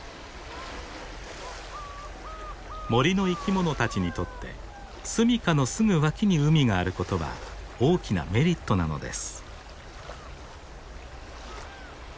森の生き物たちにとって住みかのすぐ脇に海があることは大きなメリットなのです。